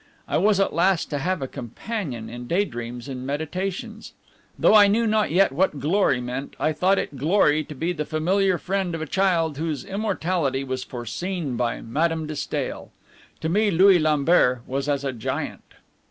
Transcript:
I was at last to have a companion in daydreams and meditations. Though I knew not yet what glory meant, I thought it glory to be the familiar friend of a child whose immortality was foreseen by Madame de Stael. To me Louis Lambert was as a giant.